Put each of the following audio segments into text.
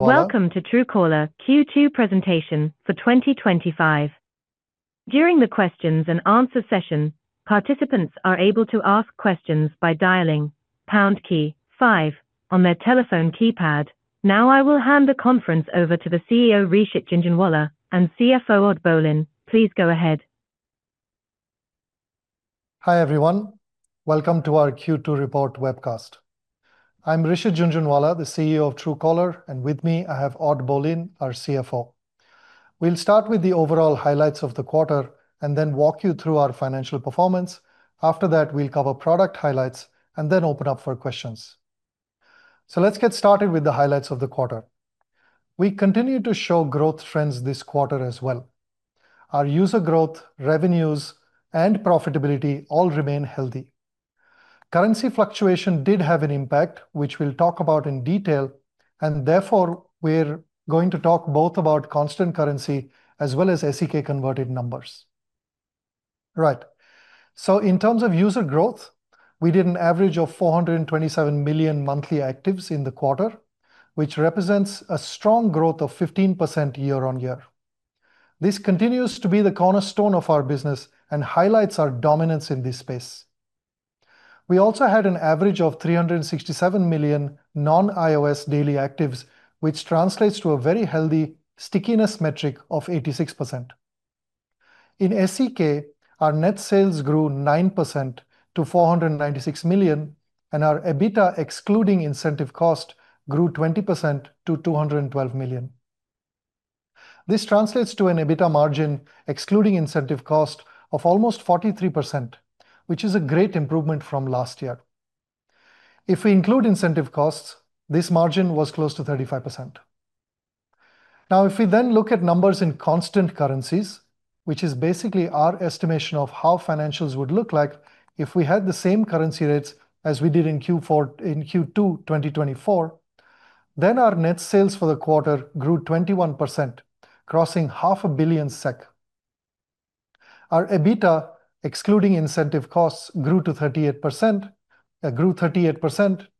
Welcome to Truecaller Q2 presentation for 2025. During the question and answer session, participants are able to ask questions by dialing #5 on their telephone keypad. Now I will hand the conference over to the CEO, Rishit Jhunjhunwala, and CFO, Odd Bolin. Please go ahead. Hi everyone, welcome to our Q2 report webcast. I'm Rishit Jhunjhunwala, the CEO of Truecaller, and with me, I have Odd Bolin, our CFO. We'll start with the overall highlights of the quarter and then walk you through our financial performance. After that, we'll cover product highlights and then open up for questions. Let's get started with the highlights of the quarter. We continue to show growth trends this quarter as well. Our user growth, revenues, and profitability all remain healthy. Currency fluctuation did have an impact, which we'll talk about in detail. Therefore, we're going to talk both about constant currency as well as SEK converted numbers. In terms of user growth, we did an average of 427 million monthly actives in the quarter, which represents a strong growth of 15% year-on-year. This continues to be the cornerstone of our business and highlights our dominance in this space. We also had an average of 367 million non-iOS daily actives, which translates to a very healthy stickiness metric of 86%. In SEK, our net sales grew 9% to 496 million, and our EBITDA, excluding incentive cost, grew 20% to 212 million. This translates to an EBITDA margin, excluding incentive cost, of almost 43%, which is a great improvement from last year. If we include incentive costs, this margin was close to 35%. If we then look at numbers in constant currencies, which is basically our estimation of how financials would look like if we had the same currency rates as we did in Q2 2024, then our net sales for the quarter grew 21%, crossing half a billion SEK. Our EBITDA, excluding incentive costs, grew 38%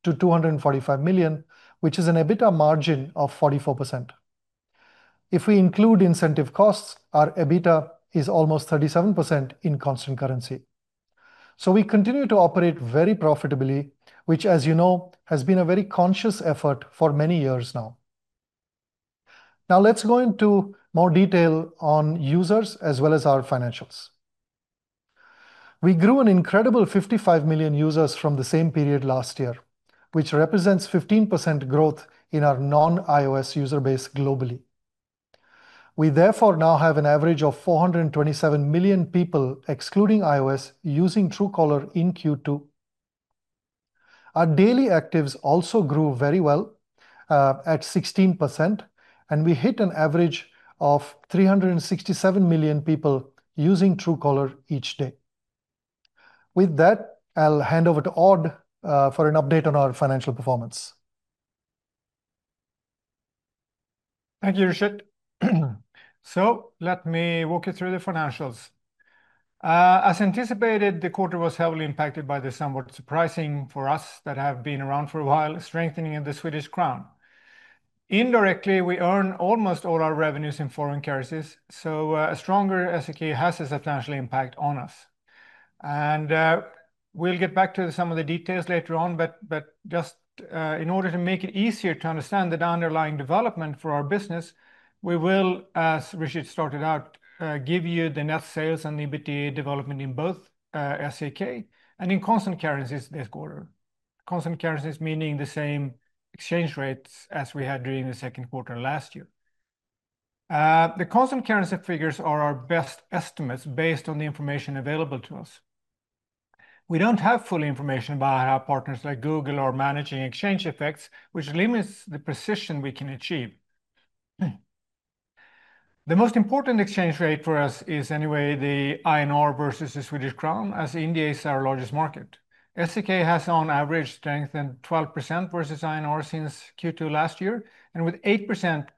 to 245 million, which is an EBITDA margin of 44%. If we include incentive costs, our EBITDA is almost 37% in constant currency. We continue to operate very profitably, which, as you know, has been a very conscious effort for many years now. Let's go into more detail on users as well as our financials. We grew an incredible 55 million users from the same period last year, which represents 15% growth in our non-iOS user base globally. We therefore now have an average of 427 million people excluding iOS using Truecaller in Q2. Our daily actives also grew very well at 16%, and we hit an average of 367 million people using Truecaller each day. With that, I'll hand over to Odd for an update on our financial performance. Thank you, Rishit. Let me walk you through the financials. As anticipated, the quarter was heavily impacted by the somewhat surprising for us that have been around for a while, strengthening of the Swedish crown. Indirectly, we earn almost all our revenues in foreign currencies, so a stronger SEK has this financial impact on us. We'll get back to some of the details later on, but just in order to make it easier to understand the underlying development for our business, we will, as Rishit started out, give you the net sales and EBITDA development in both SEK and in constant currencies this quarter. Constant currencies meaning the same exchange rates as we had during the second quarter last year. The constant currency figures are our best estimates based on the information available to us. We don't have full information about how partners like Google are managing exchange effects, which limits the precision we can achieve. The most important exchange rate for us is anyway the INR versus the Swedish crown, as India is our largest market. SEK has on average strengthened 12% versus INR since Q2 last year, and with 8%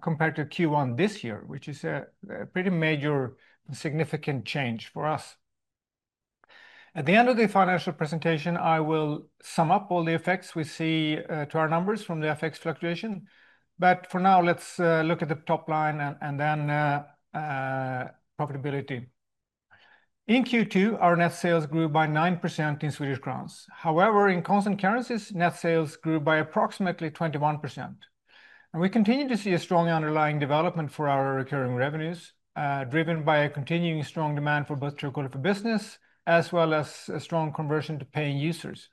compared to Q1 this year, which is a pretty major and significant change for us. At the end of the financial presentation, I will sum up all the effects we see to our numbers from the FX fluctuation. For now, let's look at the top line and then profitability. In Q2, our net sales grew by 9% in Swedish crowns. However, in constant currencies, net sales grew by approximately 21%. We continue to see a strong underlying development for our recurring revenues, driven by a continuing strong demand for both Truecaller for Business as well as a strong conversion to paying users.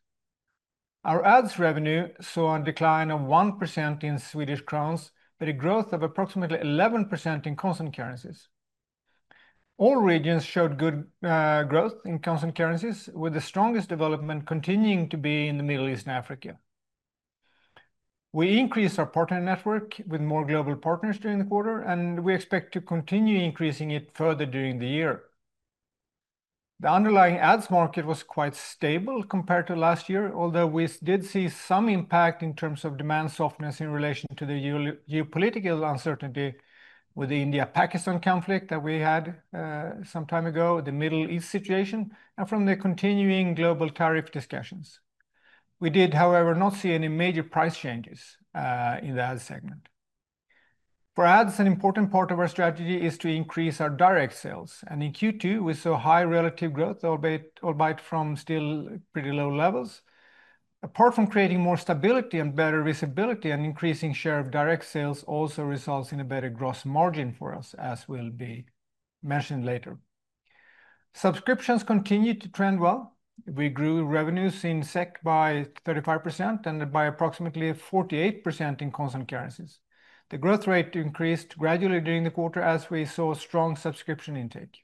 Our ads revenue saw a decline of 1% in Swedish crowns, but a growth of approximately 11% in constant currencies. All regions showed good growth in constant currencies, with the strongest development continuing to be in the Middle East and Africa. We increased our partner network with more global partners during the quarter, and we expect to continue increasing it further during the year. The underlying ads market was quite stable compared to last year, although we did see some impact in terms of demand softness in relation to the geopolitical uncertainty with the India-Pakistan conflict that we had some time ago, the Middle East situation, and from the continuing global tariff discussions. We did, however, not see any major price changes in the ad segment. For ads, an important part of our strategy is to increase our direct sales. In Q2, we saw high relative growth, albeit from still pretty low levels. Apart from creating more stability and better visibility, an increasing share of direct sales also results in a better gross margin for us, as will be mentioned later. Subscriptions continued to trend well. We grew revenues in SEK by 35% and by approximately 48% in constant currencies. The growth rate increased gradually during the quarter, as we saw strong subscription intake.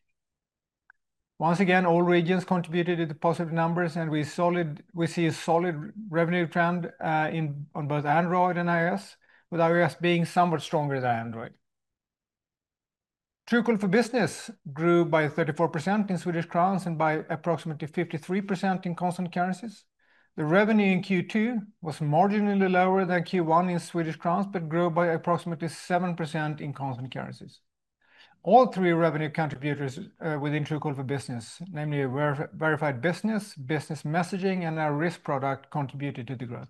Once again, all regions contributed to the positive numbers, and we see a solid revenue trend on both Android and iOS, with iOS being somewhat stronger than Android. Truecaller for Business grew by 34% in SEK and by approximately 53% in constant currencies. The revenue in Q2 was marginally lower than Q1 in SEK, but grew by approximately 7% in constant currencies. All three revenue contributors within Truecaller for Business, namely verified business, business messaging, and our risk product, contributed to the growth.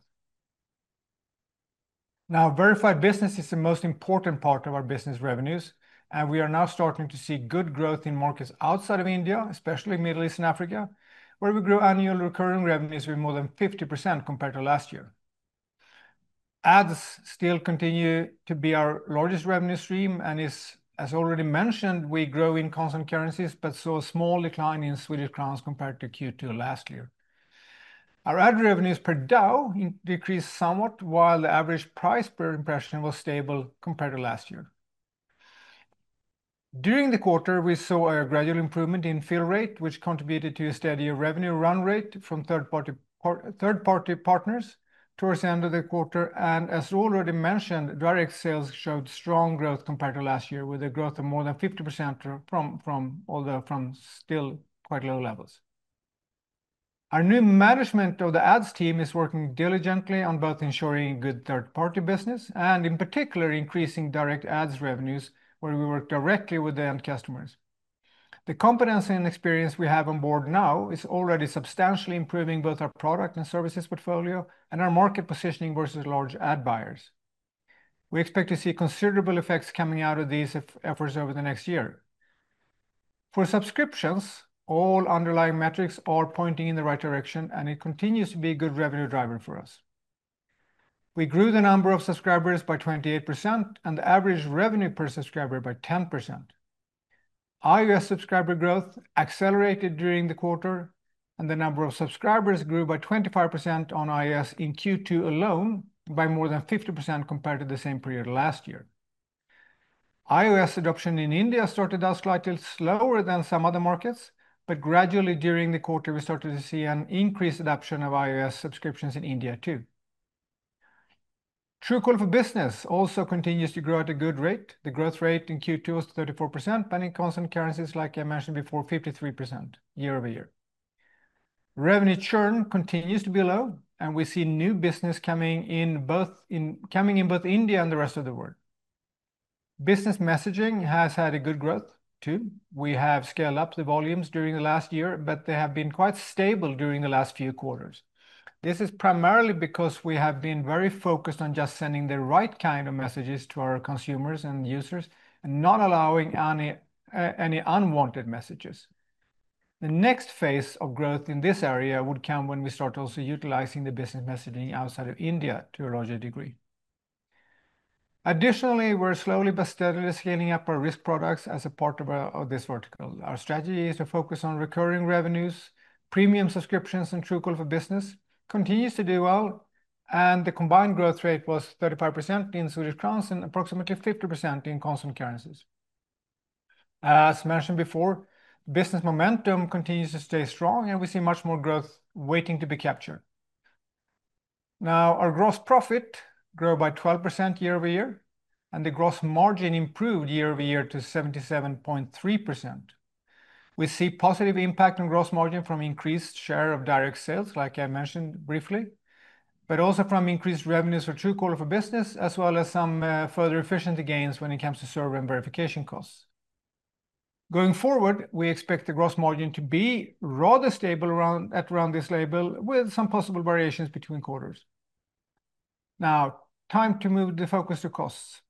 Now, verified business is the most important part of our business revenues, and we are now starting to see good growth in markets outside of India, especially in Middle East and Africa, where we grew annual recurring revenues with more than 50% compared to last year. Ads still continue to be our largest revenue stream, and as already mentioned, we grow in constant currencies, but saw a small decline in SEK compared to Q2 last year. Our ad revenues per DAO decreased somewhat, while the average price per impression was stable compared to last year. During the quarter, we saw a gradual improvement in fill rate, which contributed to a steadier revenue run rate from third-party partners towards the end of the quarter. As already mentioned, direct sales showed strong growth compared to last year, with a growth of more than 50% from still quite low levels. Our new management of the ads team is working diligently on both ensuring good third-party business and, in particular, increasing direct ads revenues, where we work directly with the end customers. The competence and experience we have on board now is already substantially improving both our product and services portfolio and our market positioning versus large ad buyers. We expect to see considerable effects coming out of these efforts over the next year. For subscriptions, all underlying metrics are pointing in the right direction, and it continues to be a good revenue driver for us. We grew the number of subscribers by 28% and the average revenue per subscriber by 10%. iOS subscriber growth accelerated during the quarter, and the number of subscribers grew by 25% on iOS in Q2 alone, by more than 50% compared to the same period last year. iOS adoption in India started out slightly slower than some other markets, but gradually during the quarter, we started to see an increased adoption of iOS subscriptions in India too. Truecaller for Business also continues to grow at a good rate. The growth rate in Q2 was 34%, and in constant currency, like I mentioned before, 53% year-on-year. Revenue churn continues to be low, and we see new business coming in both in India and the rest of the world. Business messaging has had a good growth too. We have scaled up the volumes during the last year, but they have been quite stable during the last few quarters. This is primarily because we have been very focused on just sending the right kind of messages to our consumers and users and not allowing any unwanted messages. The next phase of growth in this area would come when we start also utilizing the business messaging outside of India to a larger degree. Additionally, we're slowly but steadily scaling up our risk products as a part of this vertical. Our strategy is to focus on recurring revenues, premium subscriptions, and Truecaller for Business continues to do well, and the combined growth rate was 35% in SEK and approximately 50% in constant currency. As mentioned before, business momentum continues to stay strong, and we see much more growth waiting to be captured. Now, our gross profit grew by 12% year-on-year, and the gross margin improved year-on-year to 77.3%. We see positive impact on gross margin from increased share of direct sales, like I mentioned briefly, but also from increased revenues for Truecaller for Business, as well as some further efficiency gains when it comes to server and verification costs. Going forward, we expect the gross margin to be rather stable at around this level, with some possible variations between quarters. Now, time to move the focus to costs.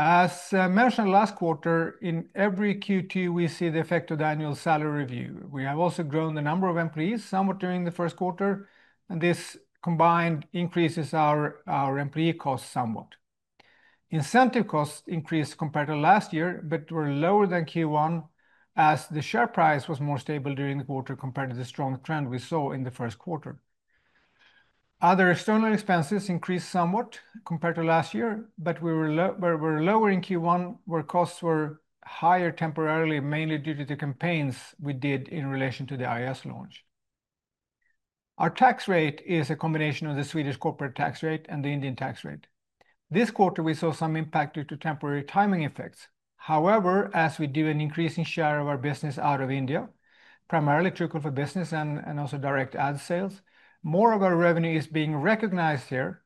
As mentioned last quarter, in every Q2, we see the effect of the annual salary review. We have also grown the number of employees somewhat during the first quarter, and this combined increase in our employee costs somewhat. Incentive costs increased compared to last year, but were lower than Q1, as the share price was more stable during the quarter compared to the strong trend we saw in the first quarter. Other external expenses increased somewhat compared to last year, but were lower in Q1, where costs were higher temporarily, mainly due to the campaigns we did in relation to the iOS launch. Our tax rate is a combination of the Swedish corporate tax rate and the Indian tax rate. This quarter, we saw some impact due to temporary timing effects. However, as we do an increasing share of our business out of India, primarily Truecaller for Business and also direct ad sales, more of our revenue is being recognized here,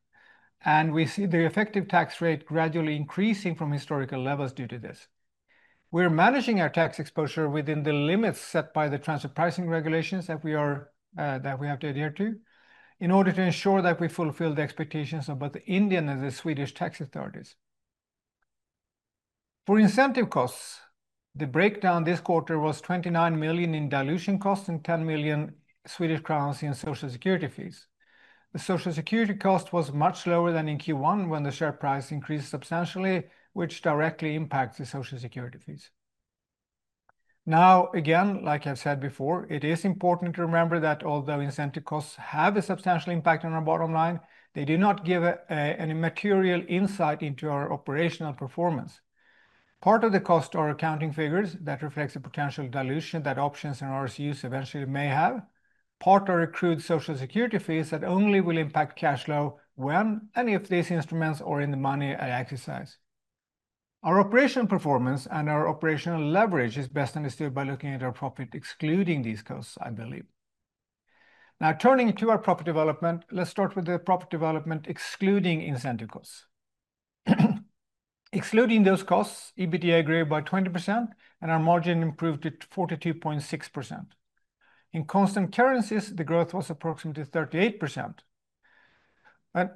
and we see the effective tax rate gradually increasing from historical levels due to this. We're managing our tax exposure within the limits set by the transfer pricing regulations that we have to adhere to in order to ensure that we fulfill the expectations of both the Indian and the Swedish tax authorities. For incentive costs, the breakdown this quarter was 29 million in dilution costs and 10 million Swedish crowns in Social Security fees. The Social Security cost was much lower than in Q1 when the share price increased substantially, which directly impacts the Social Security fees. Now, again, like I've said before, it is important to remember that although incentive costs have a substantial impact on our bottom line, they do not give any material insight into our operational performance. Part of the cost are accounting figures that reflect the potential dilution that options and RSUs eventually may have. Part are accrued Social Security fees that only will impact cash flow when and if these instruments are in the money I exercise. Our operational performance and our operational leverage is best understood by looking at our profit excluding these costs, I believe. Now, turning to our profit development, let's start with the profit development excluding incentive costs. Excluding those costs, EBITDA grew by 20%, and our margin improved to 42.6%. In constant currency, the growth was approximately 38%.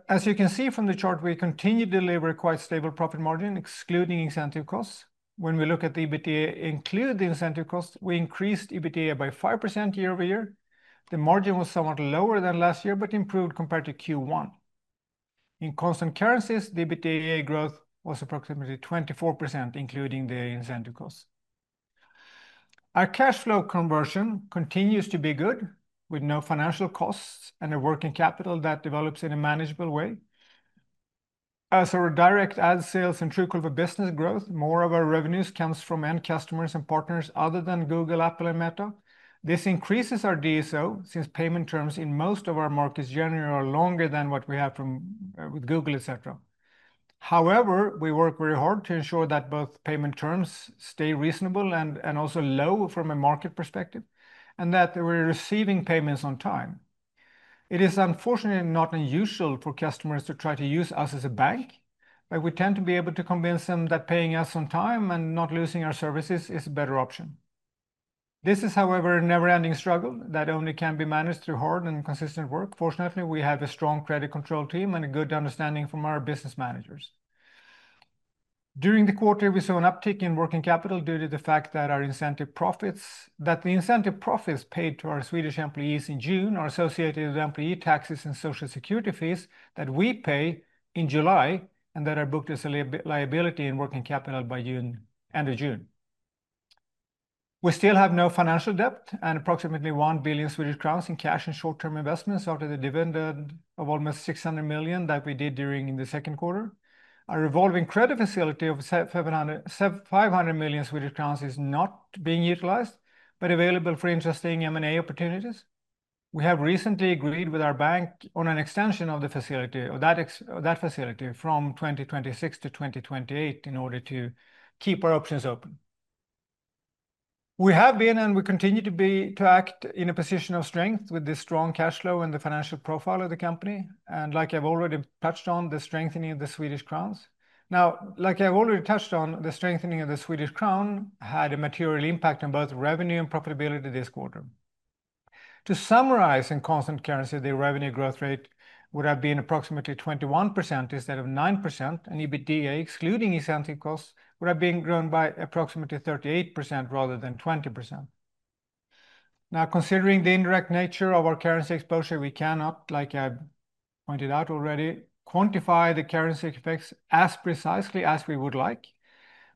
As you can see from the chart, we continue to deliver a quite stable profit margin excluding incentive costs. When we look at the EBITDA included incentive costs, we increased EBITDA by 5% year-on-year. The margin was somewhat lower than last year, but improved compared to Q1. In constant currencies, the EBITDA growth was approximately 24%, including the incentive costs. Our cash flow conversion continues to be good, with no financial costs and a working capital that develops in a manageable way. As our direct ad sales and Truecaller for Business grow, more of our revenues come from end customers and partners other than Google, Apple, and Meta. This increases our DSO since payment terms in most of our markets generally are longer than what we have with Google, etc. However, we work very hard to ensure that both payment terms stay reasonable and also low from a market perspective, and that we're receiving payments on time. It is unfortunately not unusual for customers to try to use us as a bank, but we tend to be able to convince them that paying us on time and not losing our services is a better option. This is, however, a never-ending struggle that only can be managed through hard and consistent work. Fortunately, we have a strong credit control team and a good understanding from our business managers. During the quarter, we saw an uptick in working capital due to the fact that the incentive profits paid to our Swedish employees in June are associated with employee taxes and Social Security fees that we pay in July and that are booked as a liability in working capital by the end of June. We still have no financial debt and approximately 1 billion Swedish crowns in cash and short-term investments after the dividend of almost 600 million that we did during the second quarter. Our revolving credit facility of 500 million Swedish crowns is not being utilized, but available for interesting M&A opportunities. We have recently agreed with our bank on an extension of that facility from 2026 to 2028 in order to keep our options open. We have been and we continue to act in a position of strength with this strong cash flow and the financial profile of the company. Like I've already touched on, the strengthening of the Swedish krona had a material impact on both revenue and profitability this quarter. To summarize, in constant currency, the revenue growth rate would have been approximately 21% instead of 9%, and EBITDA excluding incentive costs would have grown by approximately 38% rather than 20%. Now, considering the indirect nature of our currency exposure, we cannot, like I've pointed out already, quantify the currency effects as precisely as we would like.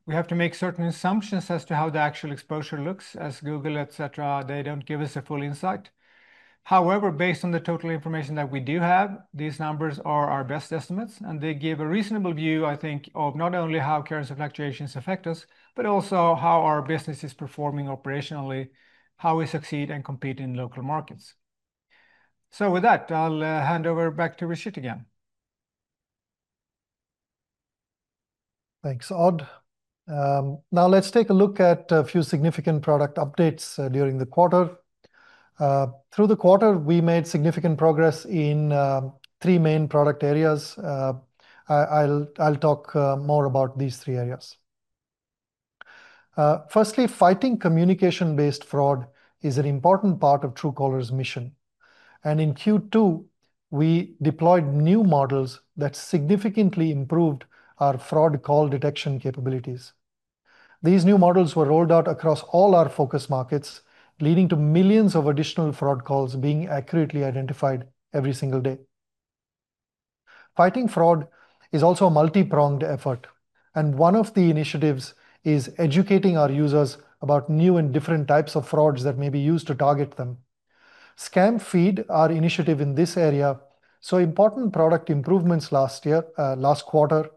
We have to make certain assumptions as to how the actual exposure looks, as Google, etc., they don't give us a full insight. However, based on the total information that we do have, these numbers are our best estimates, and they give a reasonable view, I think, of not only how currency fluctuations affect us, but also how our business is performing operationally, how we succeed and compete in local markets. With that, I'll hand over back to Rishit again. Thanks, Odd. Now, let's take a look at a few significant product updates during the quarter. Through the quarter, we made significant progress in three main product areas. I'll talk more about these three areas. Firstly, fighting communication-based fraud is an important part of Truecaller's mission. In Q2, we deployed new models that significantly improved our fraud call detection capabilities. These new models were rolled out across all our focus markets, leading to millions of additional fraud calls being accurately identified every single day. Fighting fraud is also a multipronged effort, and one of the initiatives is educating our users about new and different types of frauds that may be used to target them. ScamFeed, our initiative in this area, saw important product improvements last quarter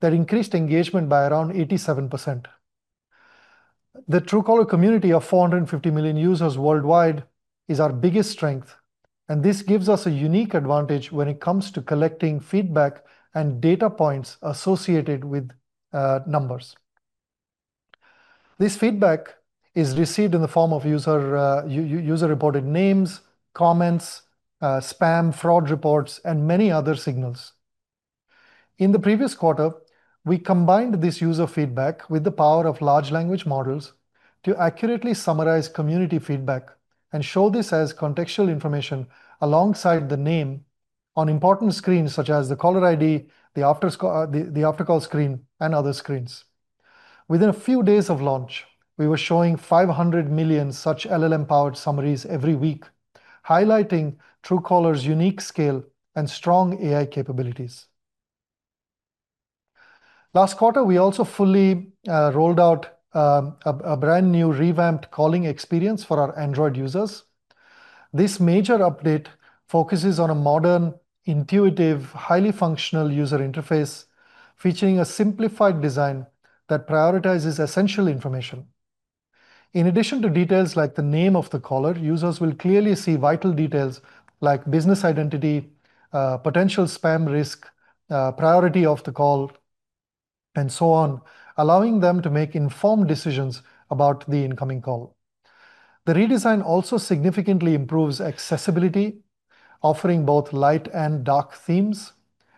that increased engagement by around 87%. The Truecaller community of 450 million users worldwide is our biggest strength, and this gives us a unique advantage when it comes to collecting feedback and data points associated with numbers. This feedback is received in the form of user-reported names, comments, spam, fraud reports, and many other signals. In the previous quarter, we combined this user feedback with the power of large language models to accurately summarize community feedback and show this as contextual information alongside the name on important screens such as the caller ID, the after-call screen, and other screens. Within a few days of launch, we were showing 500 million such LLM-powered summaries every week, highlighting Truecaller's unique scale and strong AI capabilities. Last quarter, we also fully rolled out a brand new revamped calling experience for our Android users. This major update focuses on a modern, intuitive, highly functional user interface featuring a simplified design that prioritizes essential information. In addition to details like the name of the caller, users will clearly see vital details like business identity, potential spam risk, priority of the call, and so on, allowing them to make informed decisions about the incoming call. The redesign also significantly improves accessibility, offering both light and dark themes,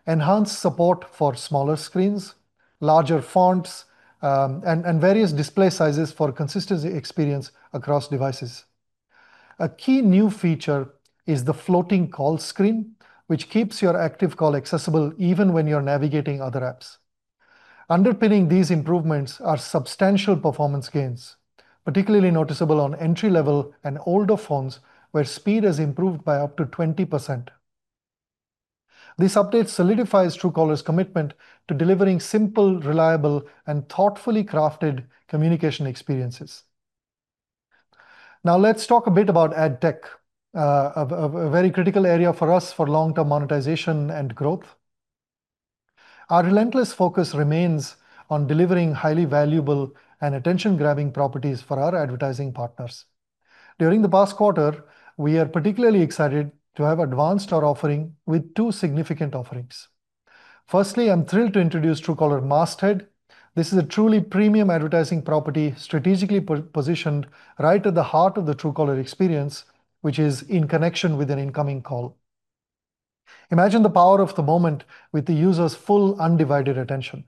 enhanced support for smaller screens, larger fonts, and various display sizes for a consistent experience across devices. A key new feature is the floating call screen, which keeps your active call accessible even when you're navigating other apps. Underpinning these improvements are substantial performance gains, particularly noticeable on entry-level and older phones, where speed has improved by up to 20%. This update solidifies Truecaller's commitment to delivering simple, reliable, and thoughtfully crafted communication experiences. Now, let's talk a bit about ad tech, a very critical area for us for long-term monetization and growth. Our relentless focus remains on delivering highly valuable and attention-grabbing properties for our advertising partners. During the past quarter, we are particularly excited to have advanced our offering with two significant offerings. Firstly, I'm thrilled to introduce Truecaller Masthead. This is a truly premium advertising property strategically positioned right at the heart of the Truecaller experience, which is in connection with an incoming call. Imagine the power of the moment with the user's full undivided attention.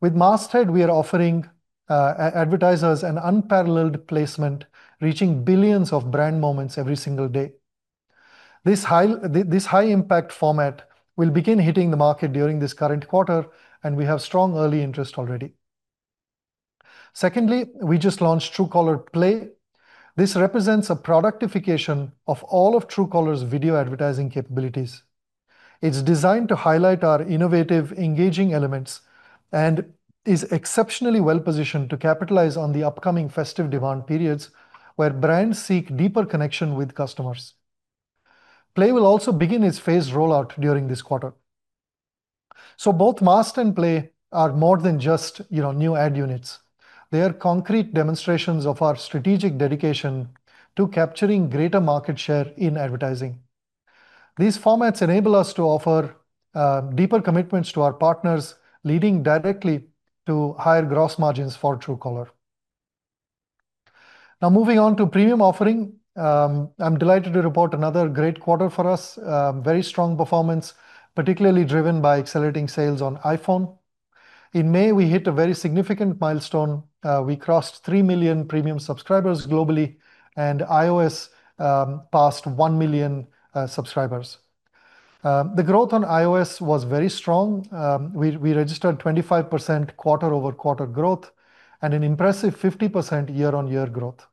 With Masthead, we are offering advertisers an unparalleled placement, reaching billions of brand moments every single day. This high-impact format will begin hitting the market during this current quarter, and we have strong early interest already. Secondly, we just launched Truecaller Play. This represents a productification of all of Truecaller's video advertising capabilities. It's designed to highlight our innovative, engaging elements and is exceptionally well-positioned to capitalize on the upcoming festive demand periods where brands seek deeper connection with customers. Play will also begin its phased rollout during this quarter. Both Masthead and Play are more than just new ad units. They are concrete demonstrations of our strategic dedication to capturing greater market share in advertising. These formats enable us to offer deeper commitments to our partners, leading directly to higher gross margins for Truecaller. Now, moving on to a premium offering, I'm delighted to report another great quarter for us, very strong performance, particularly driven by accelerating sales on iPhone. In May, we hit a very significant milestone. We crossed 3 million premium subscribers globally, and iOS passed 1 million subscribers. The growth on iOS was very strong. We registered 25% quarter-over-quarter growth and an impressive 50% year-on-year growth.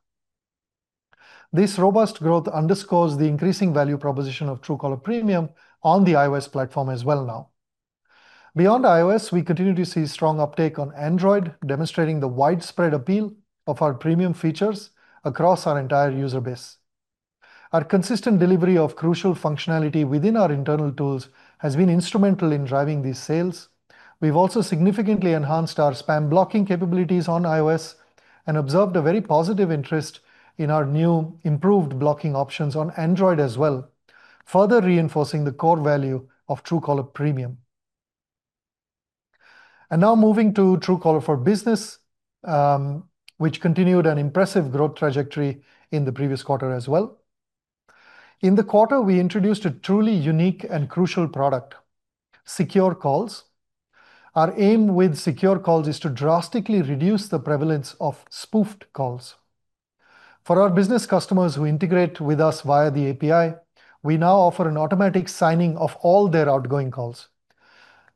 This robust growth underscores the increasing value proposition of Truecaller Premium on the iOS platform as well now. Beyond iOS, we continue to see strong uptake on Android, demonstrating the widespread appeal of our premium features across our entire user base. Our consistent delivery of crucial functionality within our internal tools has been instrumental in driving these sales. We have also significantly enhanced our spam blocking capabilities on iOS and observed a very positive interest in our new improved blocking options on Android as well, further reinforcing the core value of Truecaller Premium. Now, moving to Truecaller for Business, which continued an impressive growth trajectory in the previous quarter as well. In the quarter, we introduced a truly unique and crucial product, Secure Calls. Our aim with Secure Calls is to drastically reduce the prevalence of spoofed calls. For our business customers who integrate with us via the API, we now offer an automatic signing of all their outgoing calls.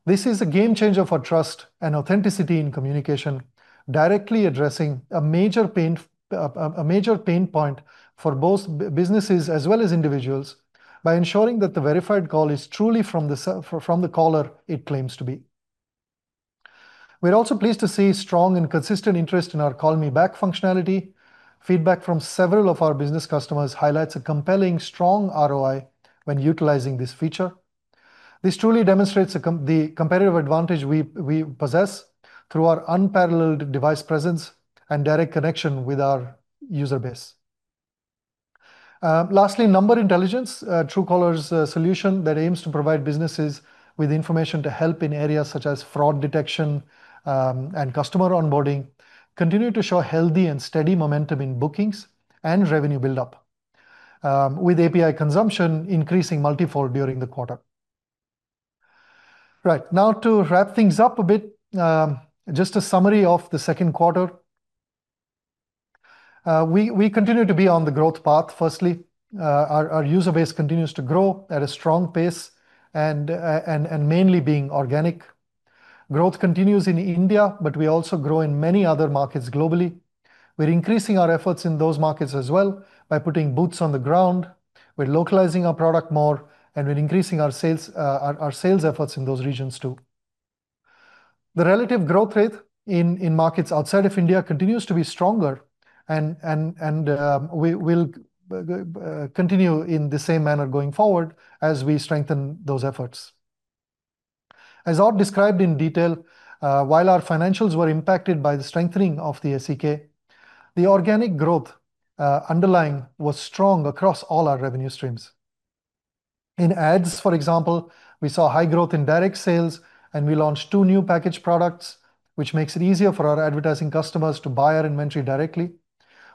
This is a game changer for trust and authenticity in communication, directly addressing a major pain point for both businesses as well as individuals by ensuring that the verified call is truly from the caller it claims to be. We are also pleased to see strong and consistent interest in our Call Me Back functionality. Feedback from several of our business customers highlights a compelling, strong ROI when utilizing this feature. This truly demonstrates the competitive advantage we possess through our unparalleled device presence and direct connection with our user base. Lastly, Number Intelligence, Truecaller’s solution that aims to provide businesses with information to help in areas such as fraud detection and customer onboarding, continues to show healthy and steady momentum in bookings and revenue buildup, with API consumption increasing multifold during the quarter. Right, now to wrap things up a bit, just a summary of the second quarter. We continue to be on the growth path. Firstly, our user base continues to grow at a strong pace and mainly being organic. Growth continues in India, but we also grow in many other markets globally. We are increasing our efforts in those markets as well by putting boots on the ground. We are localizing our product more, and we are increasing our sales efforts in those regions too. The relative growth rate in markets outside of India continues to be stronger, and we will continue in the same manner going forward as we strengthen those efforts. As Odd Bolin described in detail, while our financials were impacted by the strengthening of the SEK, the organic growth underlying was strong across all our revenue streams. In ads, for example, we saw high growth in direct sales, and we launched two new package products, which makes it easier for our advertising customers to buy our inventory directly.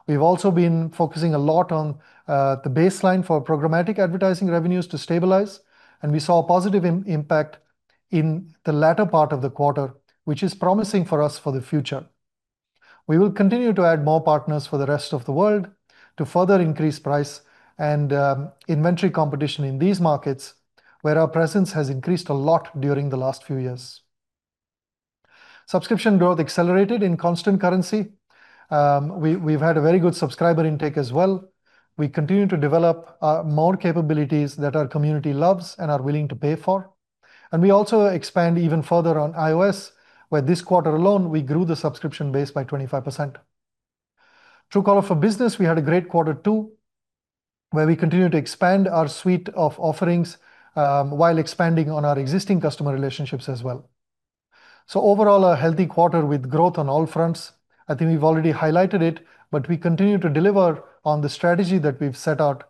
We've also been focusing a lot on the baseline for programmatic advertising revenues to stabilize, and we saw a positive impact in the latter part of the quarter, which is promising for us for the future. We will continue to add more partners for the rest of the world to further increase price and inventory competition in these markets, where our presence has increased a lot during the last few years. Subscription growth accelerated in constant currency. We've had a very good subscriber intake as well. We continue to develop more capabilities that our community loves and are willing to pay for. We also expand even further on iOS, where this quarter alone we grew the subscription base by 25%. Truecaller for Business, we had a great quarter too, where we continue to expand our suite of offerings while expanding on our existing customer relationships as well. Overall, a healthy quarter with growth on all fronts. I think we've already highlighted it, but we continue to deliver on the strategy that we've set out,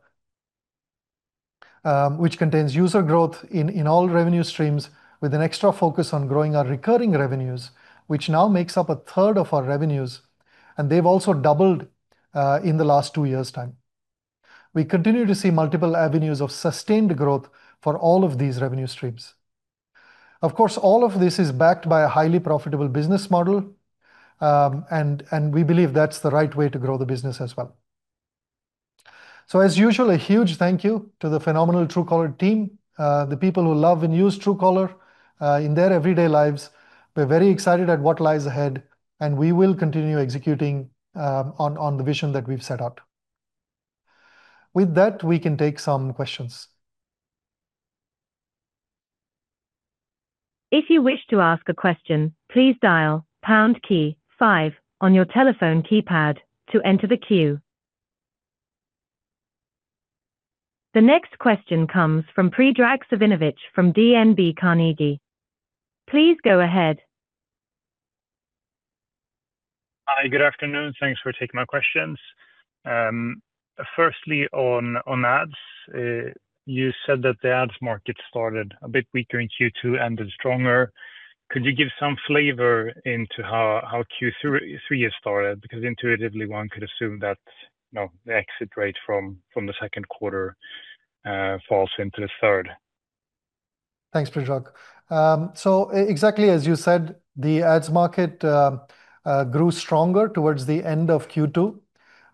which contains user growth in all revenue streams, with an extra focus on growing our recurring revenues, which now makes up a third of our revenues, and they've also doubled in the last two years' time. We continue to see multiple avenues of sustained growth for all of these revenue streams. Of course, all of this is backed by a highly profitable business model, and we believe that's the right way to grow the business as well. As usual, a huge thank you to the phenomenal Truecaller team, the people who love and use Truecaller in their everyday lives. We're very excited at what lies ahead, and we will continue executing on the vision that we've set out. With that, we can take some questions. If you wish to ask a question, please dial pound key five on your telephone keypad to enter the queue. The next question comes from Predrag Savinovic from DNB Carnegie. Please go ahead. Hi, good afternoon. Thanks for taking my questions. Firstly, on ads, you said that the ads market started a bit weaker in Q2 and then stronger. Could you give some flavor into how Q3 has started? Because intuitively, one could assume that the exit rate from the second quarter falls into the third. Thanks, Predrag. Exactly as you said, the ads market grew stronger towards the end of Q2.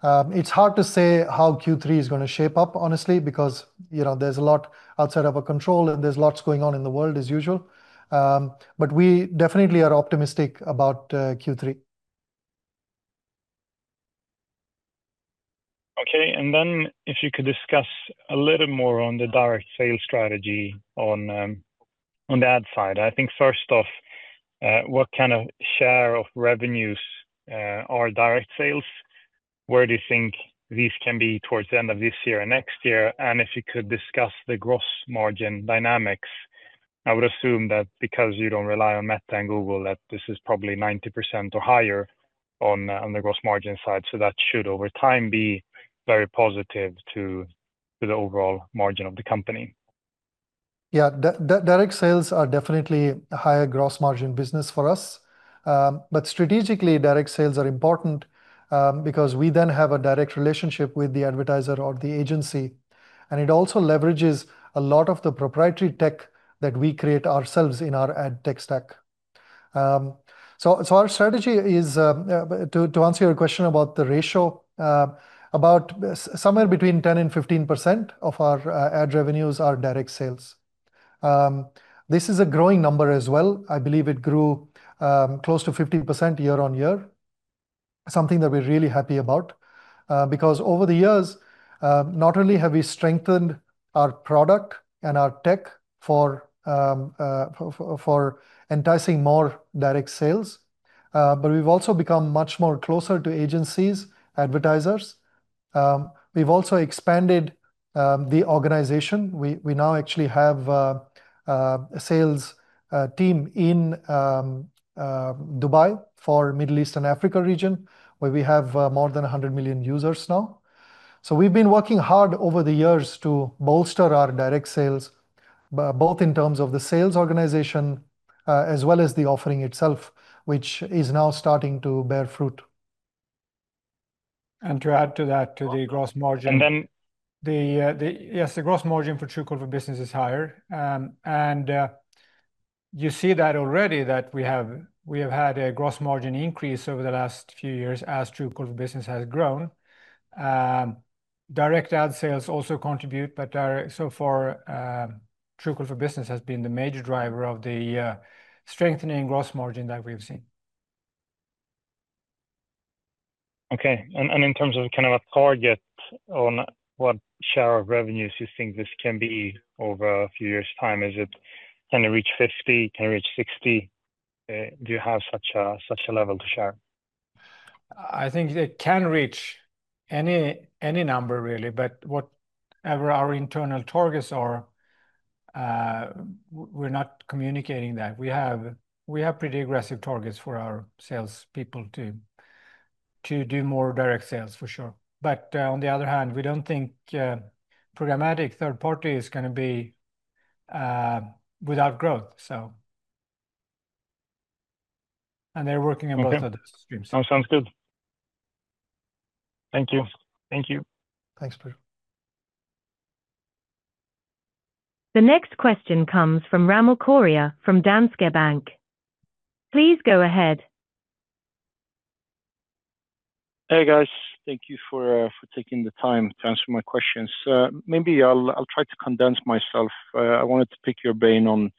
It's hard to say how Q3 is going to shape up, honestly, because there's a lot outside of our control, and there's lots going on in the world as usual. We definitely are optimistic about Q3. Okay, if you could discuss a little more on the direct sales strategy on the ad side. I think first off, what kind of share of revenues are direct sales? Where do you think these can be towards the end of this year and next year? If you could discuss the gross margin dynamics, I would assume that because you don't rely on Meta and Google, this is probably 90% or higher on the gross margin side. That should over time be very positive to the overall margin of the company. Yeah, direct sales are definitely a higher gross margin business for us. Strategically, direct sales are important because we then have a direct relationship with the advertiser or the agency, and it also leverages a lot of the proprietary tech that we create ourselves in our ad tech stack. Our strategy is, to answer your question about the ratio, about somewhere between 10% and 15% of our ad revenues are direct sales. This is a growing number as well. I believe it grew close to 15% year on year, something that we're really happy about because over the years, not only have we strengthened our product and our tech for enticing more direct sales, but we've also become much more closer to agencies, advertisers. We've also expanded the organization. We now actually have a sales team in Dubai for the Middle East and Africa region, where we have more than 100 million users now. We've been working hard over the years to bolster our direct sales, both in terms of the sales organization as well as the offering itself, which is now starting to bear fruit. To add to that, to the gross margin, yes, the gross margin for Truecaller for Business is higher. You see that already, that we have had a gross margin increase over the last few years as Truecaller for Business has grown. Direct ad sales also contribute, but so far, Truecaller for Business has been the major driver of the strengthening gross margin that we've seen. In terms of kind of a target on what share of revenues you think this can be over a few years' time, can it reach 50%? Can it reach 60%? Do you have such a level to share? I think it can reach any number, really, but whatever our internal targets are, we're not communicating that. We have pretty aggressive targets for our salespeople to do more direct sales, for sure. On the other hand, we don't think programmatic third party is going to be without growth, and they're working on both of those streams. Sounds good. Thank you. Thank you. Thanks, Predrag. The next question comes from Ramil Koria from Danske Bank. Please go ahead. Hey guys, thank you for taking the time to answer my questions. Maybe I'll try to condense myself. I wanted to pick your brain on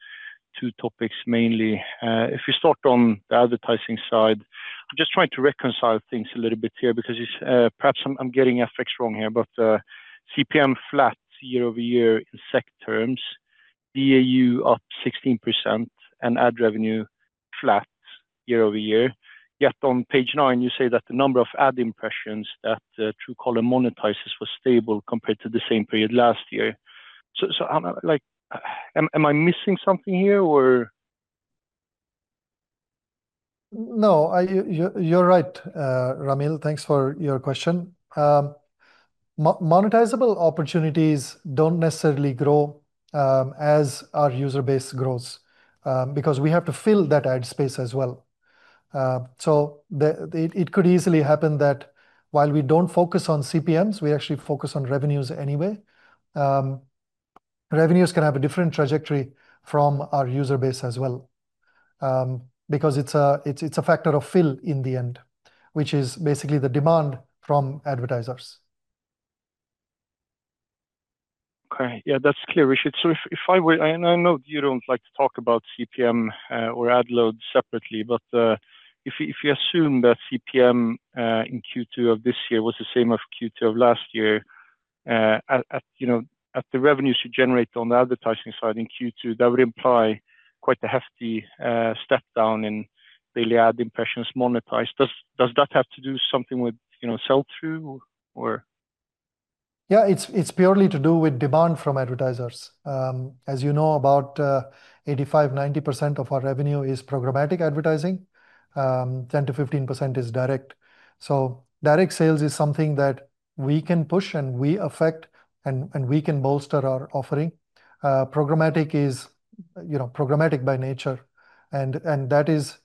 two topics mainly. If we start on the advertising side, I'm just trying to reconcile things a little bit here because perhaps I'm getting FX wrong here, but CPM flat year-on-year in SEK terms, DAU up 16%, and ad revenue flat year-on-year. Yet on page nine, you say that the number of ad impressions that Truecaller monetizes was stable compared to the same period last year. I'm like, am I missing something here or? No, you're right, Ramil. Thanks for your question. Monetizable opportunities don't necessarily grow as our user base grows because we have to fill that ad space as well. It could easily happen that while we don't focus on CPMs, we actually focus on revenues anyway. Revenues can have a different trajectory from our user base as well because it's a factor of fill in the end, which is basically the demand from advertisers. Okay, yeah, that's clear, Rishit. If I would, and I know you don't like to talk about CPM or ad load separately, but if you assume that CPM in Q2 of this year was the same as Q2 of last year, at the revenues you generate on the advertising side in Q2, that would imply quite a hefty step down in daily ad impressions monetized. Does that have to do something with sell-through or? Yeah, it's purely to do with demand from advertisers. As you know, about 85%-90% of our revenue is programmatic advertising. 10%-15% is direct. Direct sales is something that we can push, and we affect, and we can bolster our offering. Programmatic is programmatic by nature, and that is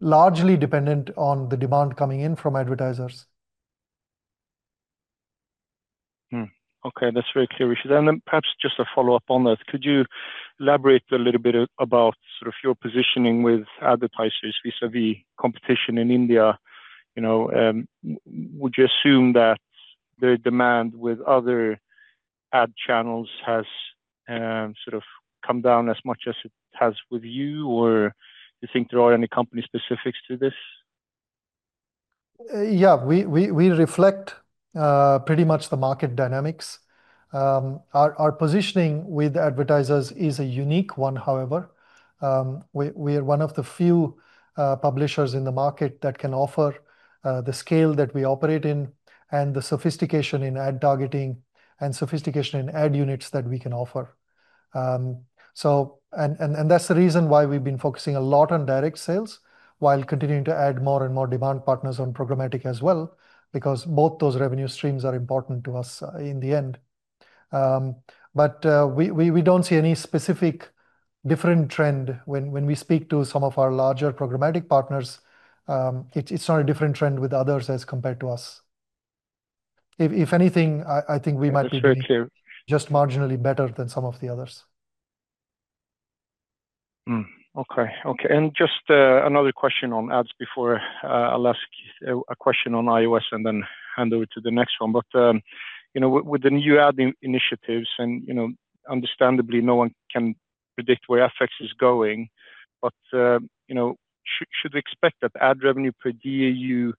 largely dependent on the demand coming in from advertisers. Okay, that's very clear, Rishit. Perhaps just a follow-up on that. Could you elaborate a little bit about sort of your positioning with advertisers vis-à-vis competition in India? Would you assume that the demand with other ad channels has sort of come down as much as it has with you, or do you think there are any company specifics to this? Yeah, we reflect pretty much the market dynamics. Our positioning with advertisers is a unique one, however. We are one of the few publishers in the market that can offer the scale that we operate in and the sophistication in ad targeting and sophistication in ad units that we can offer. That's the reason why we've been focusing a lot on direct sales while continuing to add more and more demand partners on programmatic as well, because both those revenue streams are important to us in the end. We don't see any specific different trend when we speak to some of our larger programmatic partners. It's not a different trend with others as compared to us. If anything, I think we might be just marginally better than some of the others. Okay. Just another question on ads before I ask a question on iOS and then hand over to the next one. With the new ad initiatives, and understandably no one can predict where FX is going, should we expect that ad revenue per DAU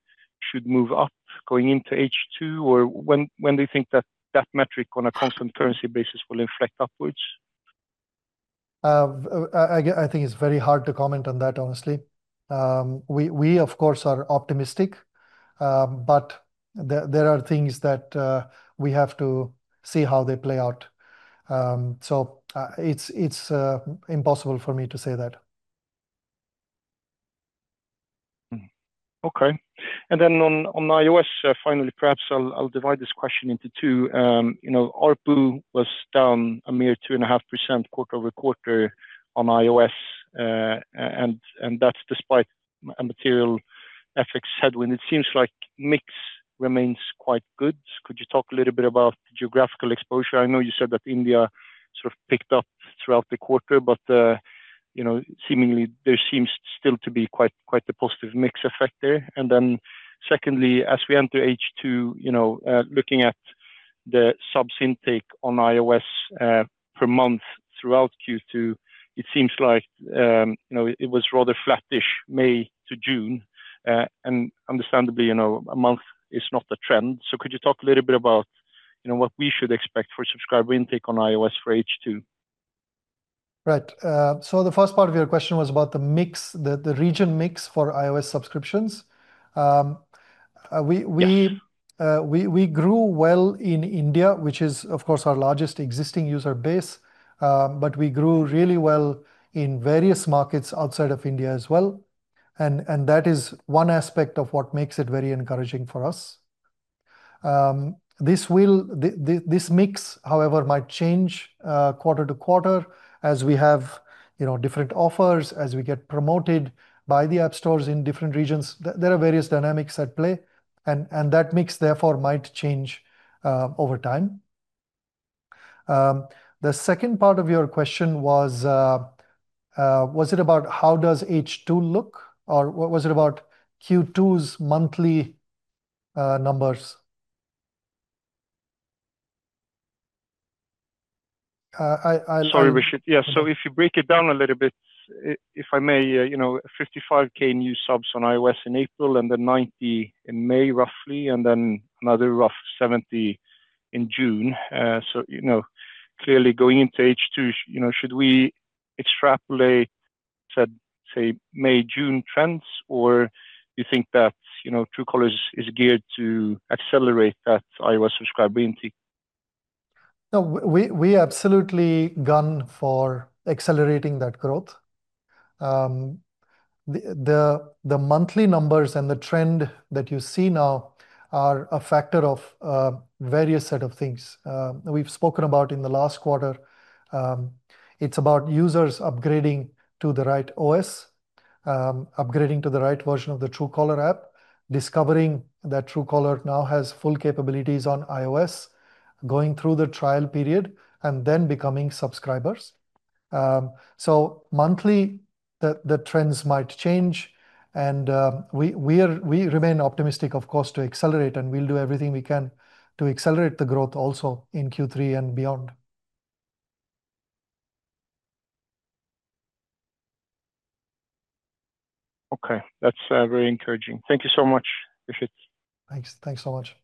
should move up going into H2, or when do you think that that metric on a constant currency basis will inflect upwards? I think it's very hard to comment on that, honestly. We, of course, are optimistic, but there are things that we have to see how they play out. It's impossible for me to say that. Okay. On iOS, finally, perhaps I'll divide this question into two. Our ARPU was down a mere 2.5% quarter over quarter on iOS, and that's despite a material FX headwind. It seems like mix remains quite good. Could you talk a little bit about the geographical exposure? I know you said that India sort of picked up throughout the quarter, but seemingly there seems still to be quite a positive mix effect there. Secondly, as we enter H2, looking at the subs intake on iOS per month throughout Q2, it seems like it was rather flattish May to June. Understandably, a month is not a trend. Could you talk a little bit about what we should expect for subscriber intake on iOS for H2? Right. The first part of your question was about the region mix for iOS subscriptions. We grew well in India, which is, of course, our largest existing user base, but we grew really well in various markets outside of India as well. That is one aspect of what makes it very encouraging for us. This mix, however, might change quarter to quarter as we have different offers, as we get promoted by the app stores in different regions. There are various dynamics at play, and that mix therefore might change over time. The second part of your question was, was it about how does H2 look, or was it about Q2's monthly numbers? Sorry, Rishit. If you break it down a little bit, if I may, you know, 55K new subs on iOS in April and then 90 in May roughly, and then another rough 70 in June. Clearly, going into H2, should we extrapolate, say, May-June trends, or do you think that, you know, Truecaller is geared to accelerate that iOS subscriber intake? No, we absolutely gun for accelerating that growth. The monthly numbers and the trend that you see now are a factor of various set of things. We've spoken about in the last quarter, it's about users upgrading to the right OS, upgrading to the right version of the Truecaller app, discovering that Truecaller now has full capabilities on iOS, going through the trial period, and then becoming subscribers. Monthly, the trends might change, and we remain optimistic, of course, to accelerate, and we'll do everything we can to accelerate the growth also in Q3 and beyond. Okay, that's very encouraging. Thank you so much, Rishit. Thanks, thanks so much.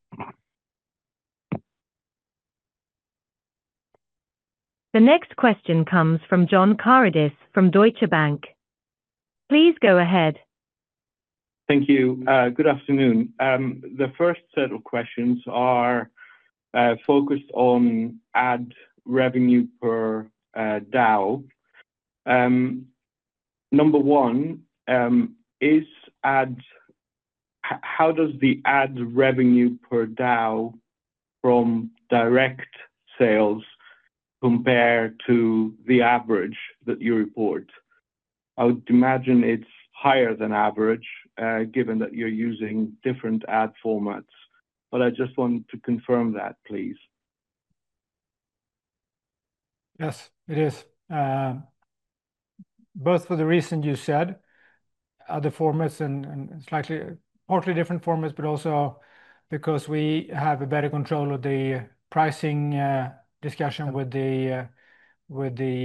The next question comes from John Karidis from Deutsche Bank. Please go ahead. Thank you. Good afternoon. The first set of questions are focused on ad revenue per DAO. Number one, how does the ad revenue per DAO from direct sales compare to the average that you report? I would imagine it's higher than average, given that you're using different ad formats, but I just want to confirm that, please. Yes, it is. Both for the reason you said, other formats and slightly different formats, but also because we have better control of the pricing discussion with the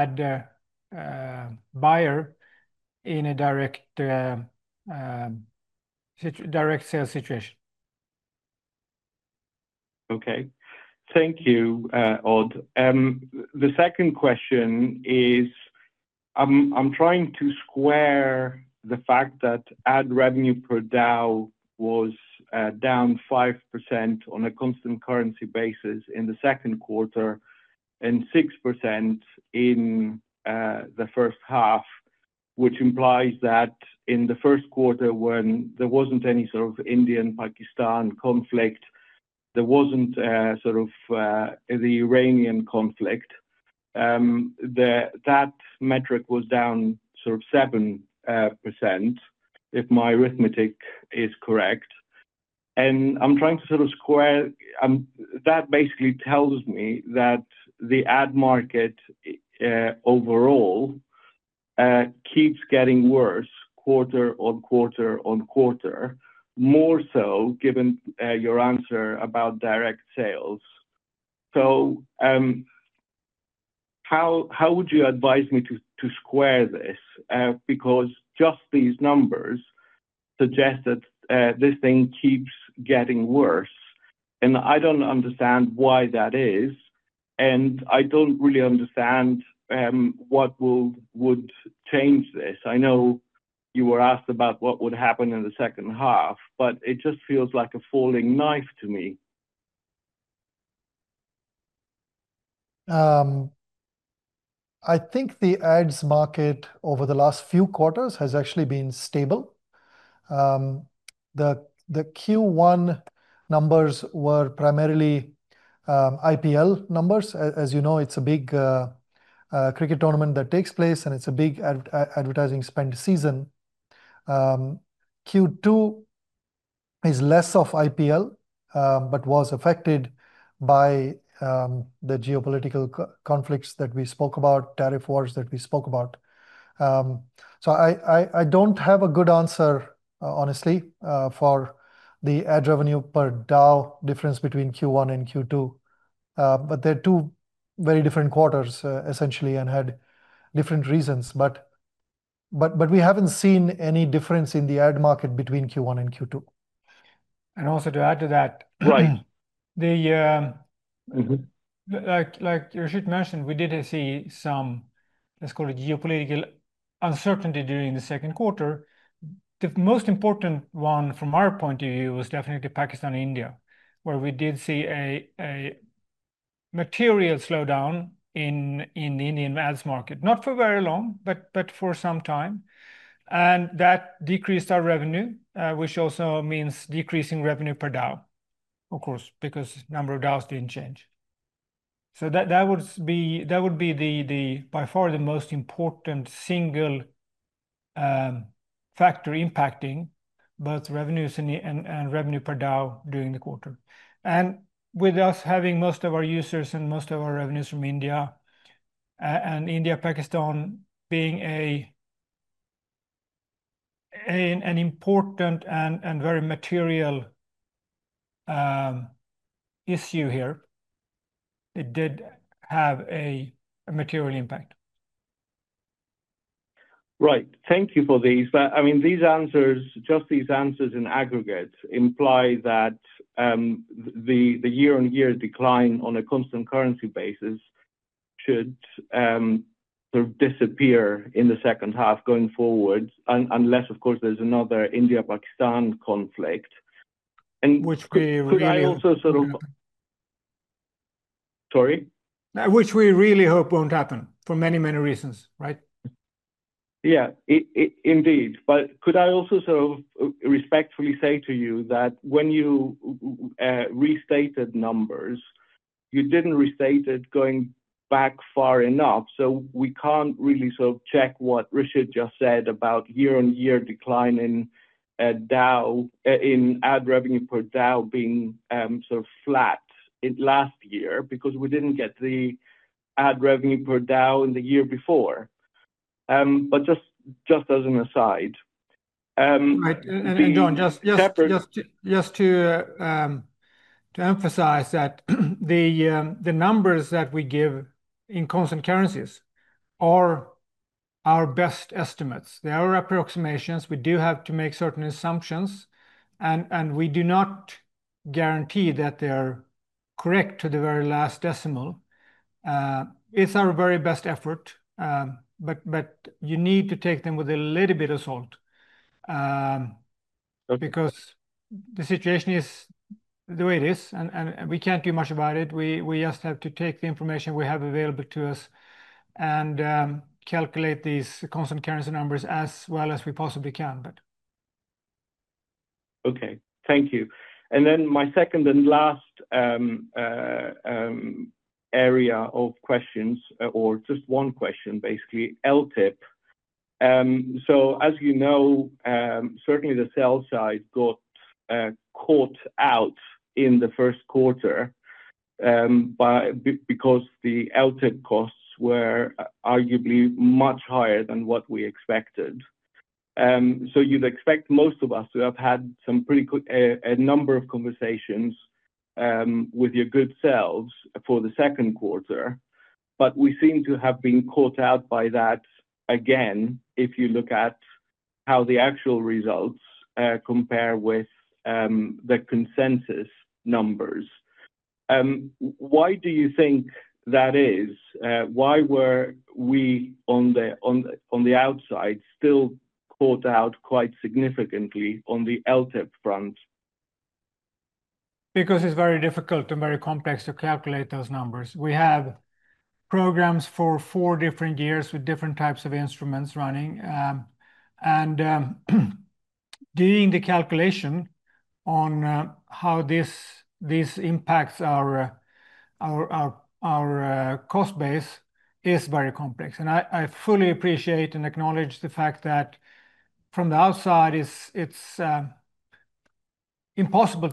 ad buyer in a direct sales situation. Okay, thank you, Odd. The second question is, I'm trying to square the fact that ad revenue per DAO was down 5% on a constant currency basis in the second quarter and 6% in the first half, which implies that in the first quarter, when there wasn't any sort of Indian-Pakistan conflict, there wasn't sort of the Iranian conflict. That metric was down 7%, if my arithmetic is correct. I'm trying to square, that basically tells me that the ad market overall keeps getting worse quarter on quarter on quarter, more so given your answer about direct sales. How would you advise me to square this? Just these numbers suggest that this thing keeps getting worse, and I don't understand why that is, and I don't really understand what would change this. I know you were asked about what would happen in the second half, but it just feels like a falling knife to me. I think the ads market over the last few quarters has actually been stable. The Q1 numbers were primarily IPL numbers. As you know, it's a big cricket tournament that takes place, and it's a big advertising spend season. Q2 is less of IPL, but was affected by the geopolitical conflicts that we spoke about, tariff wars that we spoke about. I don't have a good answer, honestly, for the ad revenue per DAO difference between Q1 and Q2, but they're two very different quarters, essentially, and had different reasons. We haven't seen any difference in the ad market between Q1 and Q2. Also, to add to that, like Rishit mentioned, we did see some, let's call it geopolitical uncertainty during the second quarter. The most important one from our point of view was definitely Pakistan and India, where we did see a material slowdown in the Indian ads market, not for very long, but for some time. That decreased our revenue, which also means decreasing revenue per DAO, of course, because the number of DAOs didn't change. That would be by far the most important single factor impacting both revenues and revenue per DAO during the quarter. With us having most of our users and most of our revenues from India, and India and Pakistan being an important and very material issue here, it did have a material impact. Right. Thank you for these. I mean, these answers, just these answers in aggregate, imply that the year-on-year decline on a constant currency basis should sort of disappear in the second half going forward, unless, of course, there's another India-Pakistan conflict. Which we really hope. Sorry. Which we really hope won't happen for many, many reasons, right? Yeah, indeed. Could I also sort of respectfully say to you that when you restated numbers, you didn't restate it going back far enough, so we can't really sort of check what Rishit just said about year-on-year decline in DAO, in ad revenue per DAO being sort of flat last year because we didn't get the ad revenue per DAO in the year before. Just as an aside. John, just to emphasize that the numbers that we give in constant currency are our best estimates. They are approximations. We do have to make certain assumptions, and we do not guarantee that they're correct to the very last decimal. It's our very best effort, but you need to take them with a little bit of salt because the situation is the way it is, and we can't do much about it. We just have to take the information we have available to us and calculate these constant currency numbers as well as we possibly can. Okay, thank you. My second and last area of questions, or just one question, basically, LTIP. As you know, certainly the sell side got caught out in the first quarter because the LTIP costs were arguably much higher than what we expected. You'd expect most of us to have had a number of conversations with your good sales for the second quarter, but we seem to have been caught out by that again if you look at how the actual results compare with the consensus numbers. Why do you think that is? Why were we on the outside still caught out quite significantly on the LTIP front? Because it's very difficult and very complex to calculate those numbers. We have programs for four different years with different types of instruments running, and doing the calculation on how this impacts our cost base is very complex. I fully appreciate and acknowledge the fact that from the outside, it's impossible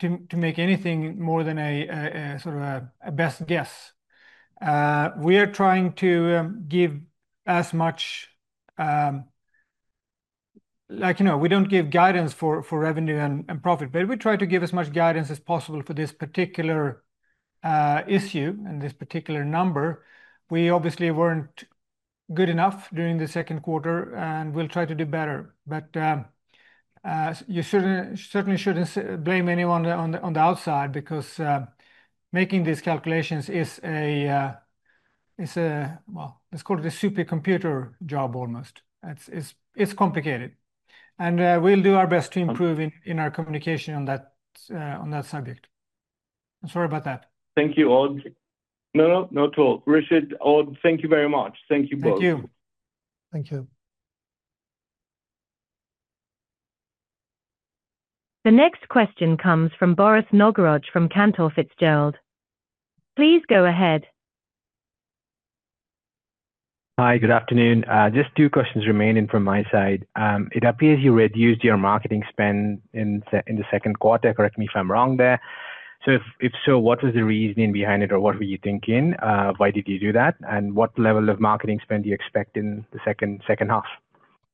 to make anything more than a sort of a best guess. We are trying to give as much, like you know, we don't give guidance for revenue and profit, but we try to give as much guidance as possible for this particular issue and this particular number. We obviously weren't good enough during the second quarter, and we'll try to do better. You certainly shouldn't blame anyone on the outside because making these calculations is a, let's call it a supercomputer job almost. It's complicated. We'll do our best to improve in our communication on that subject. I'm sorry about that. Thank you, Odd. No, not at all. Rishit, Odd, thank you very much. Thank you both. Thank you. Thank you. The next question comes from Barath Nagaraj from Cantor Fitzgerald. Please go ahead. Hi, good afternoon. Just two questions remaining from my side. It appears you reduced your marketing spend in the second quarter. Correct me if I'm wrong there. If so, what was the reasoning behind it or what were you thinking? Why did you do that? What level of marketing spend do you expect in the second half?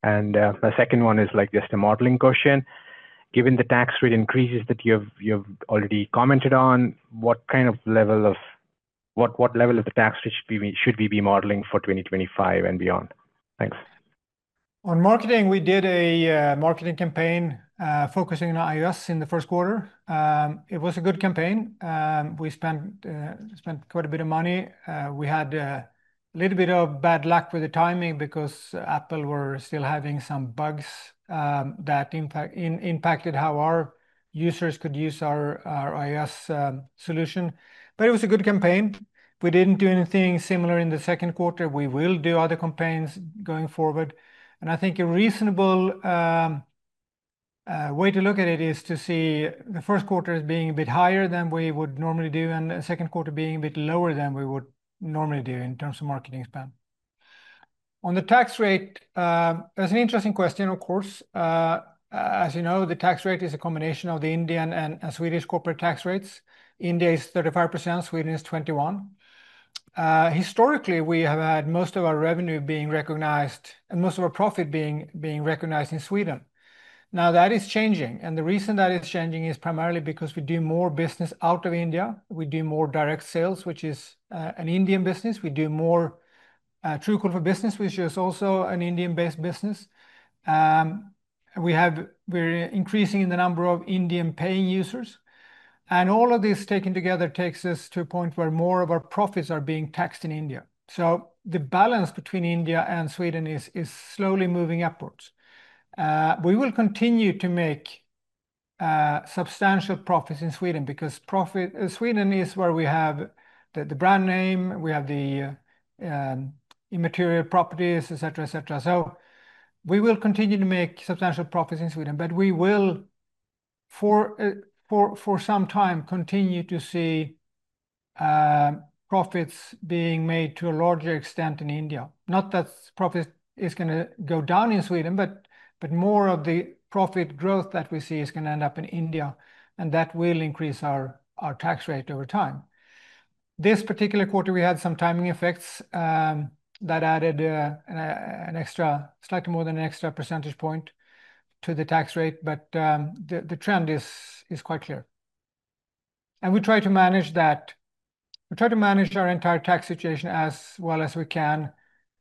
My second one is just a modeling question. Given the tax rate increases that you have already commented on, what level of the tax rate should we be modeling for 2025 and beyond? Thanks. On marketing, we did a marketing campaign focusing on iOS in the first quarter. It was a good campaign. We spent quite a bit of money. We had a little bit of bad luck with the timing because Apple was still having some bugs that impacted how our users could use our iOS solution. It was a good campaign. We didn't do anything similar in the second quarter. We will do other campaigns going forward. I think a reasonable way to look at it is to see the first quarter being a bit higher than we would normally do and the second quarter being a bit lower than we would normally do in terms of marketing spend. On the tax rate, that's an interesting question, of course. As you know, the tax rate is a combination of the Indian and Swedish corporate tax rates. India is 35%, Sweden is 21%. Historically, we have had most of our revenue being recognized and most of our profit being recognized in Sweden. Now that is changing, and the reason that is changing is primarily because we do more business out of India. We do more direct sales, which is an Indian business. We do more Truecaller for Business, which is also an Indian-based business. We have been increasing in the number of Indian paying users. All of this taken together takes us to a point where more of our profits are being taxed in India. The balance between India and Sweden is slowly moving upwards. We will continue to make substantial profits in Sweden because Sweden is where we have the brand name, we have the immaterial properties, etc., etc. We will continue to make substantial profits in Sweden, but we will for some time continue to see profits being made to a larger extent in India. Not that profit is going to go down in Sweden, but more of the profit growth that we see is going to end up in India, and that will increase our tax rate over time. This particular quarter, we had some timing effects that added an extra, slightly more than an extra percentage point to the tax rate, but the trend is quite clear. We try to manage that. We try to manage our entire tax situation as well as we can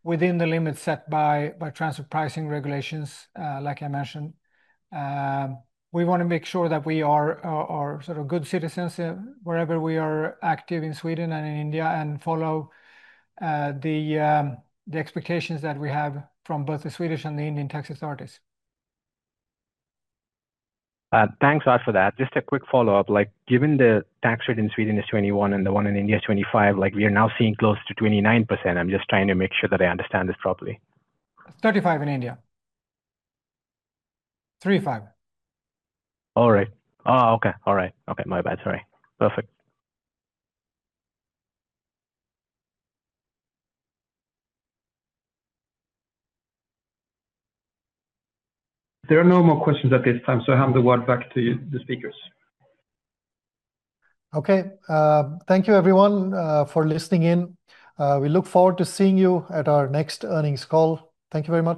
within the limits set by transfer pricing regulations, like I mentioned. We want to make sure that we are sort of good citizens wherever we are active in Sweden and in India and follow the expectations that we have from both the Swedish and the Indian tax authorities. Thanks a lot for that. Just a quick follow-up. Given the tax rate in Sweden is 21% and the one in India is 25%, we are now seeing close to 29%. I'm just trying to make sure that I understand this properly. 35% in India. Three-five. All right. Okay. All right. Okay. My bad. Sorry. Perfect. There are no more questions at this time, so I hand the word back to the speakers. Okay. Thank you, everyone, for listening in. We look forward to seeing you at our next earnings call. Thank you very much.